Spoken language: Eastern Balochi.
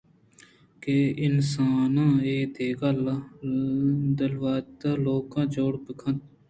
کہ آ اِنسان ءُ اے دگہ دلوت ءُ لُولکاں جوڑ بہ کنت